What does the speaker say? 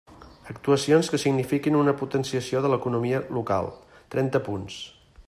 Actuacions que signifiquin una potenciació de l'economia local, trenta punts.